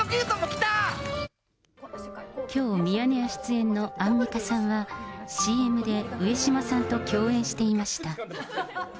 きょう、ミヤネ屋出演のアンミカさんは、ＣＭで上島さんと共演していました。